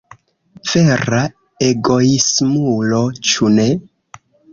Vera egoismulo, ĉu ne?